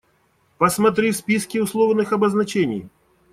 Посмотри в списке условных обозначений.